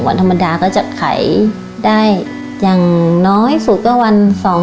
วันธรรมดาก็จะขายได้อย่างน้อยสุดก็วันสอง